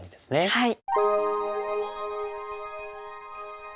はい。